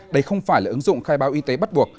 đây không phải là ứng dụng khai báo y tế bắt buộc